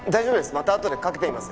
またあとでかけてみます。